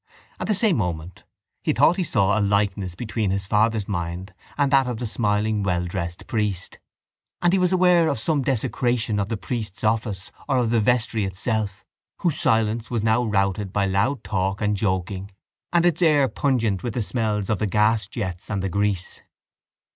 At the same moment he thought he saw a likeness between his father's mind and that of this smiling welldressed priest: and he was aware of some desecration of the priest's office or of the vestry itself whose silence was now routed by loud talk and joking and its air pungent with the smells of the gasjets and the grease.